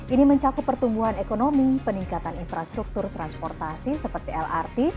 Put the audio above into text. ini mencakup pertumbuhan ekonomi peningkatan infrastruktur transportasi seperti lrt